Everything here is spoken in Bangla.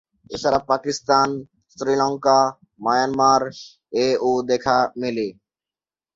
এছাড়া পাকিস্তান, শ্রীলঙ্কা, মায়ানমার এও দেখা মেলে।